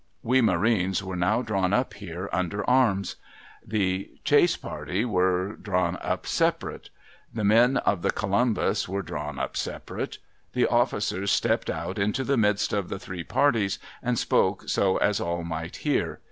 We marines were now drawn up here under arms. The chase party were drawn up separate. The men of the Columbus were drawn up separate. The officers stepped out into the midst of the three parties, and spoke so as all might hear.